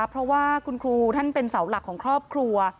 เพราะว่าคุณครูท่านเป็นเสาหลักของครอบครัว